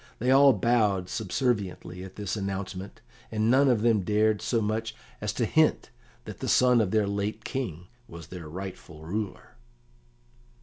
They all bowed subserviently at this announcement, and none of them dared so much as to hint that the son of their late King was their rightful ruler.